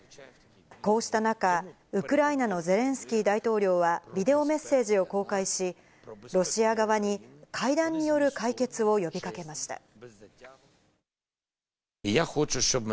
こうした中、ウクライナのゼレンスキー大統領はビデオメッセージを公開し、ロシア側に、会談による解決を呼びかけました。